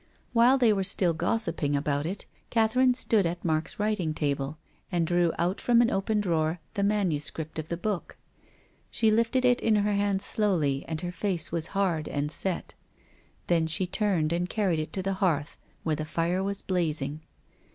While they were still gossiping about it Catherine stood at Mark's writing table, and drew out from an open drawer the manuscript of the book. She lifted it in her hands slowly and her face was hard and set. Then she turned and carried it to the hearth, where the fire was blazing.